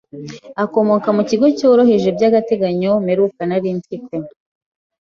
Akomoka mu kigo cyohereje by'agateganyo mperuka nari mfite?